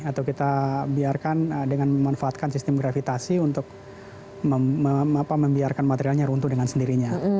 atau kita biarkan dengan memanfaatkan sistem gravitasi untuk membiarkan materialnya runtuh dengan sendirinya